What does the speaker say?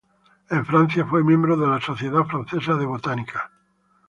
En Francia fue miembro de la Sociedad Francesa de Botánica.